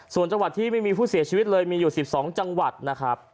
ส่วนจังหวัดที่ไม่มีผู้เสียชีวิตเลยมีอยู่๑๒จังหวัดนะครับ